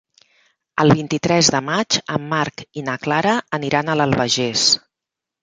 El vint-i-tres de maig en Marc i na Clara aniran a l'Albagés.